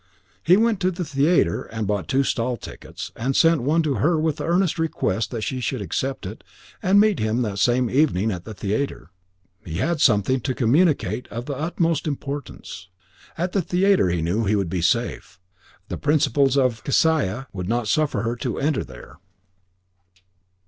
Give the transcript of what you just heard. He went to the theatre and bought two stall tickets, and sent one to her with the earnest request that she would accept it and meet him that evening at the theatre. He had something to communicate of the utmost importance. At the theatre he knew that he would be safe; the principles of Kesiah would not suffer her to enter there.